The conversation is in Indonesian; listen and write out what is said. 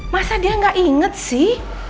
masa dia gak inget sih